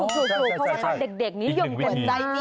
ถูกเพราะว่าตัวเด็กนี่ยงกันมากใดใด